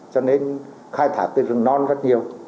cho nên khai thả cái rừng non rất nhiều